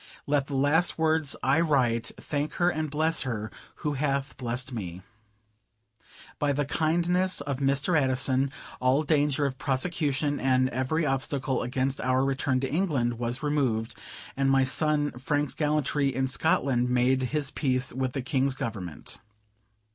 Let the last words I write thank her, and bless her who hath blessed it. By the kindness of Mr. Addison, all danger of prosecution, and every obstacle against our return to England, was removed; and my son Frank's gallantry in Scotland made his peace with the King's government.